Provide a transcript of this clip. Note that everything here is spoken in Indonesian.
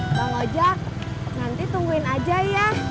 bang ojak nanti tungguin aja ya